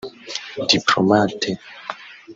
Diplomate